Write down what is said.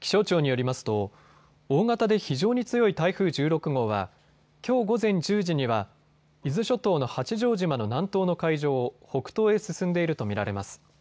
気象庁によりますと大型で非常に強い台風１６号はきょう午前１０時には伊豆諸島の八丈島の南東の海上を北東へ進んでいると見られます。